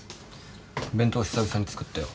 弁当久々に作ったよ。